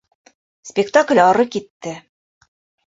Спектакль ары китте.